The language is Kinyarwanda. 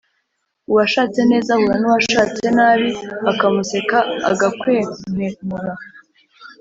Uwashatse neza ahura n’uwashatse nabi akamuseka agakwenkwemura.